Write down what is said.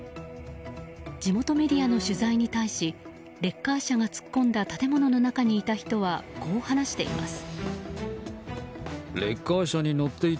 地元メディアの取材に対しレッカー車が突っ込んだ建物の中にいた人はこう話しています。